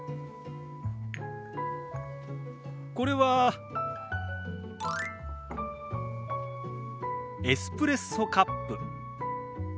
これはエスプレッソカップ。